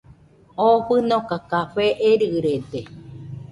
Oo fɨnoka café erɨrede